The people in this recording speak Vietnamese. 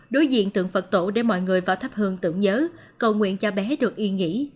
đối diện tượng phật tổ để mọi người vào thắp hương tưởng nhớ cầu nguyện cho bé được yên nghỉ